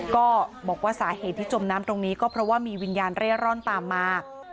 ก็บอกว่าสาเหตุที่จมน้ำตรงนี้ก็เพราะว่ามีวิญญาณเร่ร่อนตามมา